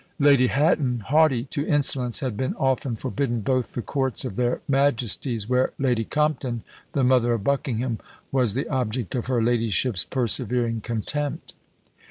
Lady Hatton, haughty to insolence, had been often forbidden both the courts of their majesties, where Lady Compton, the mother of Buckingham, was the object of her ladyship's persevering contempt.